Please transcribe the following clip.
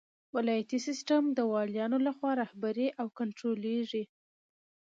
ولایتي سیسټم د والیانو لخوا رهبري او کنټرولیږي.